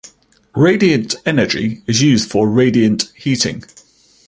Radiant energy is used for radiant heating.